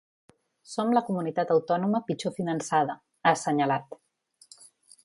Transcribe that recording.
Som la comunitat autònoma pitjor finançada, ha assenyalat.